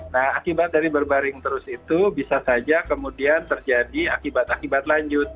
nah akibat dari berbaring terus itu bisa saja kemudian terjadi akibat akibat lanjut